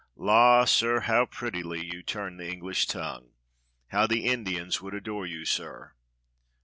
"La, sir, how prettily you turn the English tongue! How the Indians would adore you, sir!"